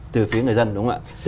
từ phía người dân đúng không ạ